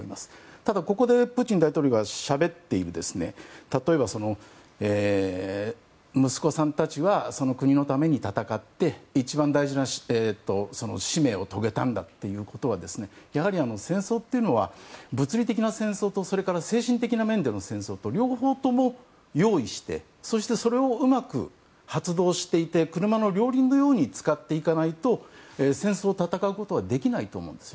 ただ、ここでプーチン大統領がしゃべっている例えば、息子さんたちは国のために戦って一番大事な使命を遂げたんだということはやはり戦争というのは物理的な戦争とそれから精神的な面での戦争と両方とも用意してそして、それをうまく発動していて車の両輪のように使っていかないと戦争を戦うことはできないと思うんですね。